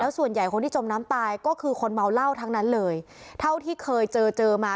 ส่วนใหญ่คนที่จมน้ำตายก็คือคนเมาเหล้าทั้งนั้นเลยเท่าที่เคยเจอเจอมา